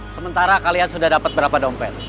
sementara kalian sudah dapat berapa dompet